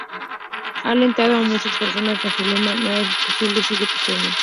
Ha alentando a muchas personas con su lema "nada es imposible...sigue tus sueños".